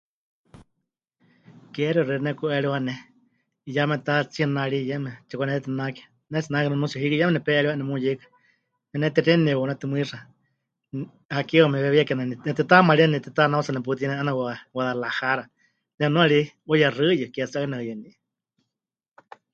Keexiu xeikɨ́a nepɨku'eriwa ne 'iyá metá tsinari yeme tsipɨkanetinake, pɨnetsinake nunuutsiyari hiikɨ yeme nepe'eriwa 'eena nemuyeika, nepɨnetexiene ne'iwaunétɨ mɨixa, hakeewa meweewíyaka nemɨtitamaaríeni netitanautsa neputiyɨne 'eena Gua... Guadalajara, nemɨnuani ri 'uyexɨyu ke tsɨ 'aku ne'uyɨní.